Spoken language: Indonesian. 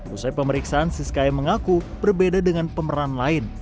usai pemeriksaan siskaya mengaku berbeda dengan pemeran lain